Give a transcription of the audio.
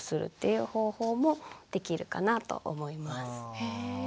へえ。